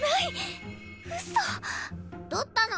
どったの？